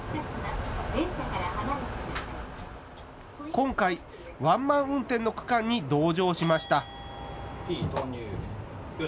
今回、ワンマン運転の区間に同乗しました。